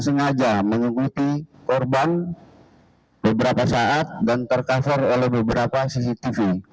sengaja mengikuti korban beberapa saat dan tercover oleh beberapa cctv